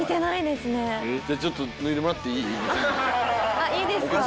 あっいいですか？